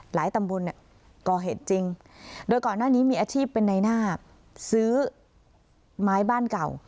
ตำบลเนี่ยก่อเหตุจริงโดยก่อนหน้านี้มีอาชีพเป็นในหน้าซื้อไม้บ้านเก่า